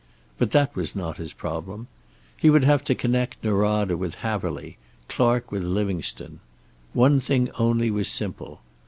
But that was not his problem. He would have to connect Norada with Haverly, Clark with Livingstone. One thing only was simple.